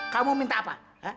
kamu minta apa